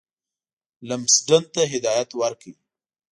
لمسډن ته هدایت ورکړ.